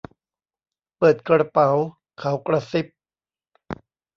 เปิดกระเป๋า ! เขากระซิบ